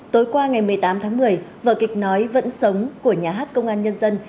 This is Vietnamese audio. tối qua ngày một mươi tám tháng một mươi vở kịch nói vẫn sống của nhà hát công an nhân dân